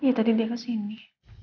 ya tadi dia kesini